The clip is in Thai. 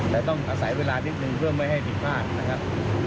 และต้องอาศัยเวลานิดนึงเพื่อไม่ให้ผิดพลาดนะครับ